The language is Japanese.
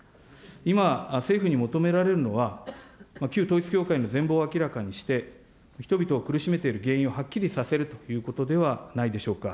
今、政府に求められるのは、旧統一教会の全貌を明らかにして、人々を苦しめている原因をはっきりさせるということではないでしょうか。